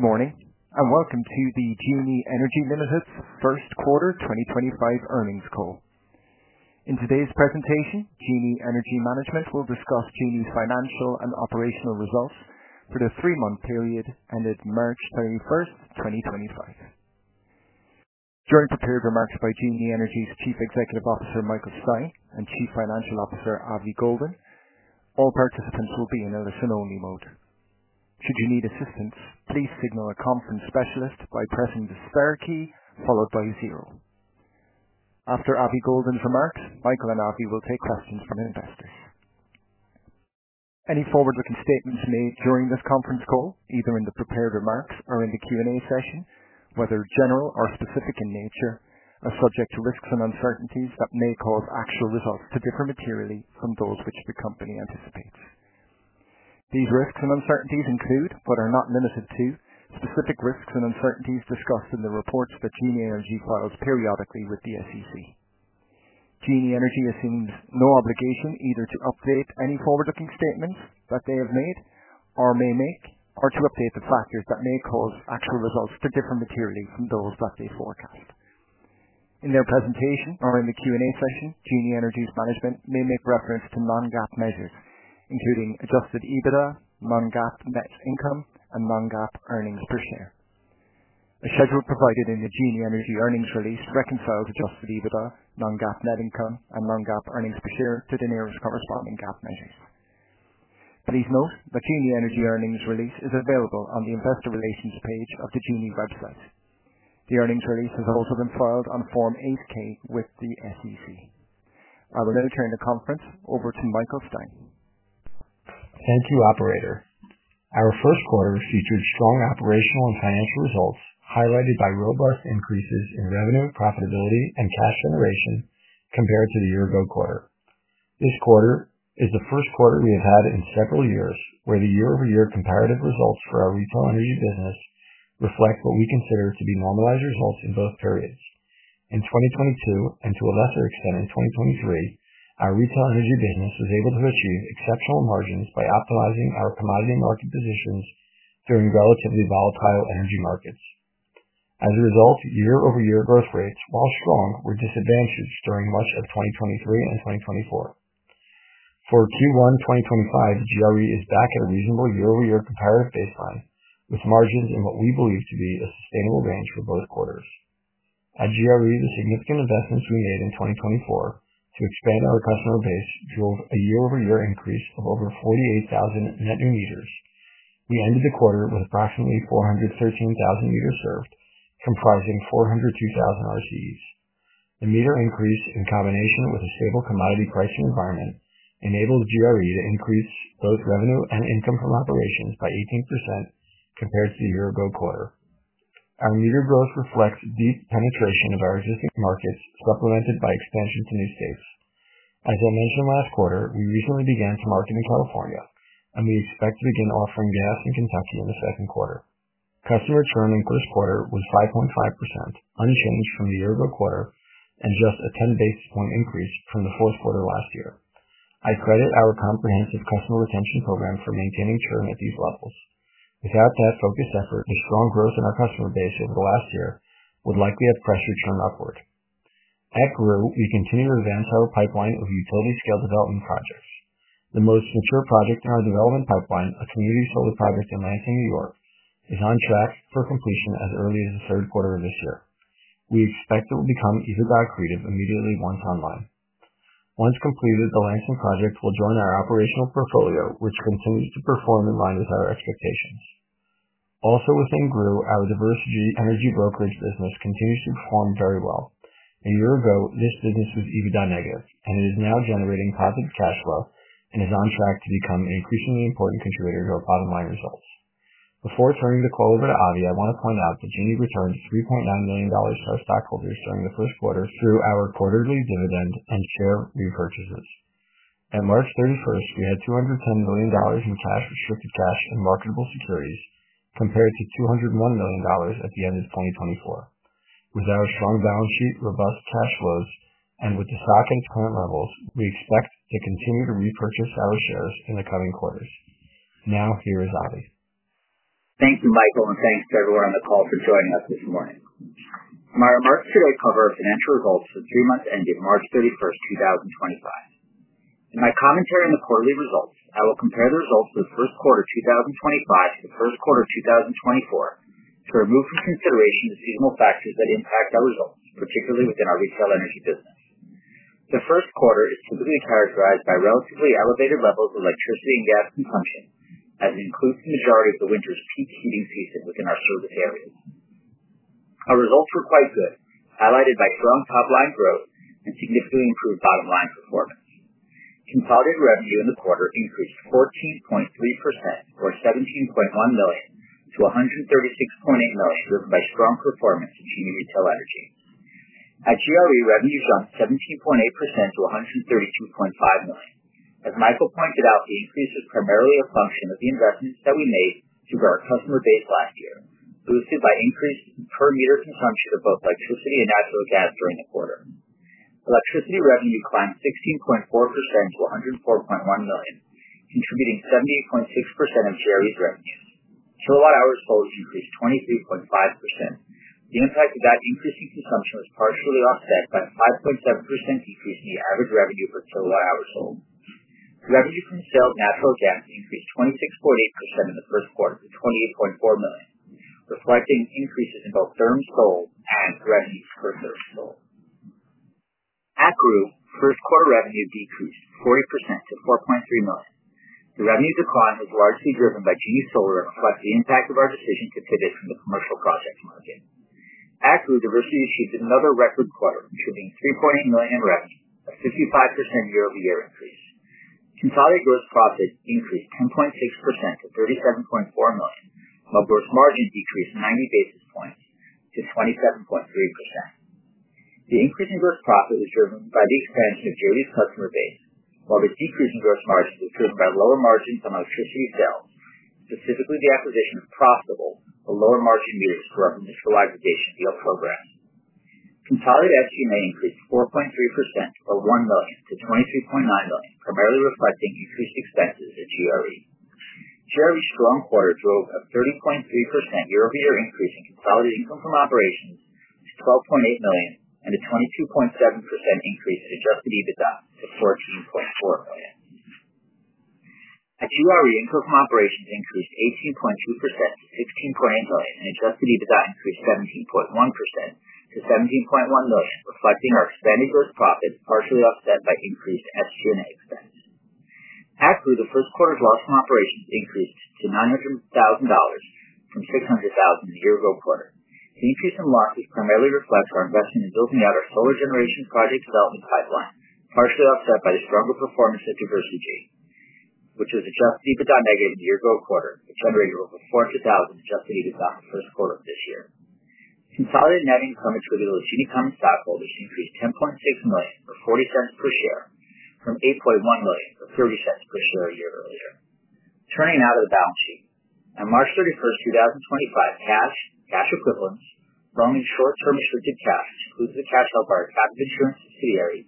Good morning, and welcome to the Genie Energy Limited's first quarter 2025 earnings call. In today's presentation, Genie Energy Management will discuss Genie's financial and operational results for the three-month period ended March 31st, 2025. During prepared remarks by Genie Energy's Chief Executive Officer Michael Stein and Chief Financial Officer Avi Goldin, all participants will be in a listen-only mode. Should you need assistance, please signal a conference specialist by pressing the star key followed by zero. After Avi Goldin's remarks, Michael and Avi will take questions from investors. Any forward-looking statements made during this conference call, either in the prepared remarks or in the Q&A session, whether general or specific in nature, are subject to risks and uncertainties that may cause actual results to differ materially from those which the company anticipates. These risks and uncertainties include, but are not limited to, specific risks and uncertainties discussed in the reports that Genie Energy files periodically with the SEC. Genie Energy assumes no obligation either to update any forward-looking statements that they have made or may make, or to update the factors that may cause actual results to differ materially from those that they forecast. In their presentation or in the Q&A session, Genie Energy's management may make reference to non-GAAP measures, including adjusted EBITDA, non-GAAP net income, and non-GAAP earnings per share. The schedule provided in the Genie Energy earnings release reconciles adjusted EBITDA, non-GAAP net income, and non-GAAP earnings per share to the nearest corresponding GAAP measures. Please note that Genie Energy earnings release is available on the investor relations page of the Genie website. The earnings release has also been filed on Form 8-K with the SEC. I will now turn the conference over to Michael Stein. Thank you, Operator. Our first quarter featured strong operational and financial results highlighted by robust increases in revenue, profitability, and cash generation compared to the year-ago quarter. This quarter is the first quarter we have had in several years where the year-over-year comparative results for our retail energy business reflect what we consider to be normalized results in both periods. In 2022, and to a lesser extent in 2023, our retail energy business was able to achieve exceptional margins by optimizing our commodity market positions during relatively volatile energy markets. As a result, year-over-year growth rates, while strong, were disadvantaged during much of 2023 and 2024. For Q1 2025, GRE is back at a reasonable year-over-year comparative baseline, with margins in what we believe to be a sustainable range for both quarters. At GRE, the significant investments we made in 2024 to expand our customer base drove a year-over-year increase of over 48,000 net new meters. We ended the quarter with approximately 413,000 meters served, comprising 402,000 RCEs. The meter increase, in combination with a stable commodity pricing environment, enabled GRE to increase both revenue and income from operations by 18% compared to the year-ago quarter. Our meter growth reflects deep penetration of our existing markets, supplemented by expansion to new states. As I mentioned last quarter, we recently began to market in California, and we expect to begin offering gas in Kentucky in the second quarter. Customer churn in the first quarter was 5.5%, unchanged from the year-ago quarter and just a 10 basis point increase from the fourth quarter last year. I credit our comprehensive customer retention program for maintaining churn at these levels. Without that focused effort, the strong growth in our customer base over the last year would likely have pressured churn upward. At GREW, we continue to advance our pipeline of utility-scale development projects. The most mature project in our development pipeline, a community solar project in Lansing, New York, is on track for completion as early as the third quarter of this year. We expect it will become EBITDA creative immediately once online. Once completed, the Lansing project will join our operational portfolio, which continues to perform in line with our expectations. Also, within GREW, our diverse energy brokerage business continues to perform very well. A year ago, this business was EBITDA negative, and it is now generating positive cash flow and is on track to become an increasingly important contributor to our bottom-line results. Before turning the call over to Avi, I want to point out that Genie returned $3.9 million to our stockholders during the first quarter through our quarterly dividend and share repurchases. At March 31st, we had $210 million in cash, restricted cash, and marketable securities compared to $201 million at the end of 2024. With our strong balance sheet, robust cash flows, and with the stock at its current levels, we expect to continue to repurchase our shares in the coming quarters. Now, here is Avi. Thank you, Michael, and thanks to everyone on the call for joining us this morning. My remarks today cover our financial results for the three months ending March 31st, 2025. In my commentary on the quarterly results, I will compare the results for the first quarter 2025 to the first quarter 2024 to remove from consideration the seasonal factors that impact our results, particularly within our retail energy business. The first quarter is typically characterized by relatively elevated levels of electricity and gas consumption, as it includes the majority of the winter's peak heating season within our service areas. Our results were quite good, highlighted by strong top-line growth and significantly improved bottom-line performance. Consolidated revenue in the quarter increased 14.3%, or $17.1 million, to $136.8 million, driven by strong performance in Genie Retail Energy. At GRE, revenue jumped 17.8% to $132.5 million. As Michael pointed out, the increase is primarily a function of the investments that we made through our customer base last year, boosted by increased per-meter consumption of both electricity and natural gas during the quarter. Electricity revenue climbed 16.4% to $104.1 million, contributing 78.6% of GRE's revenues. Kilowatt-hours sold increased 23.5%. The impact of that increase in consumption was partially offset by a 5.7% decrease in the average revenue per kilowatt-hour sold. Revenue from the sale of natural gas increased 26.8% in the first quarter to $28.4 million, reflecting increases in both therms sold and revenues per therm sold. At GREW, first-quarter revenue decreased 40% to $4.3 million. The revenue decline was largely driven by Genie Solar and reflects the impact of our decision to pivot from the commercial project market. At GREW, Diversegy achieved another record quarter, contributing $3.8 million in revenue, a 55% year-over-year increase. Consolidated gross profit increased 10.6% to $37.4 million, while gross margin decreased 90 basis points to 27.3%. The increase in gross profit was driven by the expansion of GRE's customer base, while the decrease in gross margin was driven by lower margins on electricity sales, specifically the acquisition of profitable or lower-margin meters through our municipal aggregation deal program. Consolidated SG&A increased 4.3%, or $1 million, to $23.9 million, primarily reflecting increased expenses at GRE. GRE's strong quarter drove a 30.3% year-over-year increase in consolidated income from operations to $12.8 million and a 22.7% increase in adjusted EBITDA to $14.4 million. At GRE, income from operations increased 18.2% to $16.8 million, and adjusted EBITDA increased 17.1% to $17.1 million, reflecting our expanded gross profit partially offset by increased SG&A expenses. At GREW, the first quarter's loss from operations increased to $900,000 from $600,000 in the year-ago quarter. The increase in losses primarily reflects our investment in building out our solar generation project development pipeline, partially offset by the stronger performance of Diversegy, which was adjusted EBITDA negative in the year-ago quarter, which generated over $400,000 in adjusted EBITDA in the first quarter of this year. Consolidated net income attributed to Genie common stockholders increased $10.6 million, or $0.40 per share, from $8.1 million, or $0.30 per share a year earlier. Turning now to the balance sheet, on March 31st, 2025, cash equivalents, roaming short-term restricted cash, which includes the cash held by our Captive Insurance subsidiary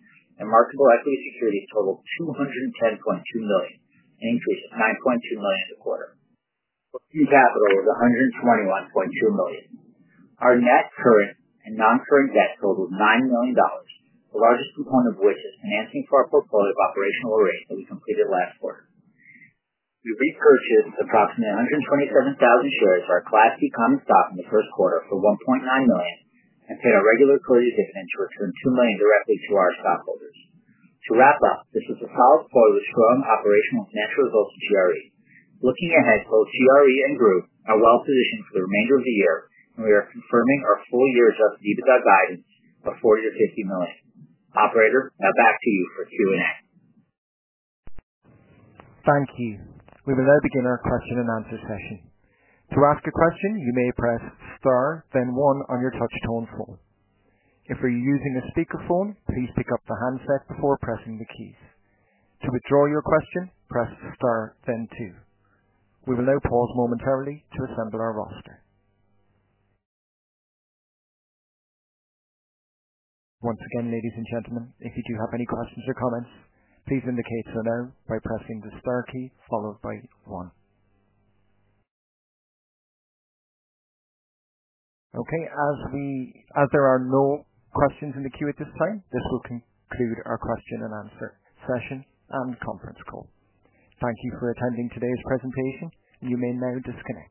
and marketable equity securities, totaled $210.2 million, an increase of $9.2 million in the quarter. Working capital was $121.2 million. Our net, current, and non-current debt totaled $9 million, the largest component of which is financing for our portfolio of operational arrays that we completed last quarter. We repurchased approximately 127,000 shares of our Class D Common Stock in the first quarter for $1.9 million and paid our regular equity dividend to return $2 million directly to our stockholders. To wrap up, this was a solid quarter with strong operational and financial results at GRE. Looking ahead, both GRE and GREW are well positioned for the remainder of the year, and we are confirming our full-year adjusted EBITDA guidance of $40 million-$50 million. Operator, now back to you for Q&A. Thank you. We will now begin our question-and-answer session. To ask a question, you may press star, then one on your touch-tone phone. If you're using a speakerphone, please pick up the handset before pressing the keys. To withdraw your question, press star, then two. We will now pause momentarily to assemble our roster. Once again, ladies and gentlemen, if you do have any questions or comments, please indicate so now by pressing the star key followed by one. Okay. As there are no questions in the queue at this time, this will conclude our question-and-answer session and conference call. Thank you for attending today's presentation. You may now disconnect.